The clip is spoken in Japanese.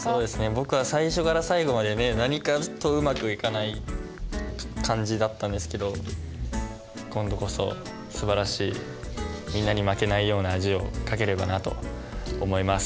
僕は最初から最後まで何かとうまくいかない感じだったんですけど今度こそすばらしいみんなに負けないような字を書ければなと思います。